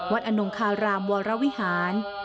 วัดอนงคารรามวรรวิหาร